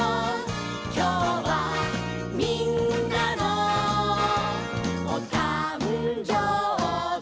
「きょうはみんなのおたんじょうび」